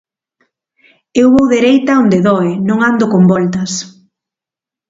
Eu vou dereita a onde doe, non ando con voltas.